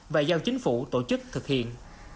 và giao chính phủ tổ chức thực hiện